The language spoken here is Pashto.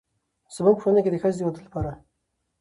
زموږ په ټولنه کې د ښځې د واده لپاره